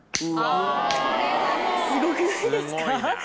すごくないですか？